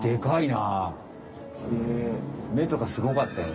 めとかすごかったよ。